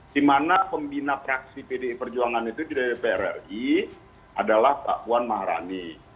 di mana pembina praksi pdi perjuangan itu di dpr ri adalah pak puan maharani